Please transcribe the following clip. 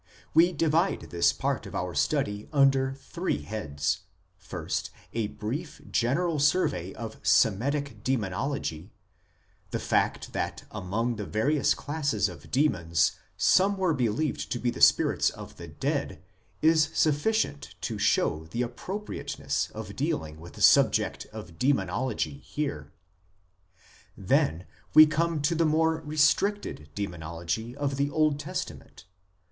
We divide this part of our study under three heads : first a brief general survey of Semitic Demonology ; the fact that among the various classes of demons some were believed to be the spirits of the dead is sufficient to show the appro priateness of dealing with the subject of Demonology here. Then we come to the more restricted Demonology of the Old Testament.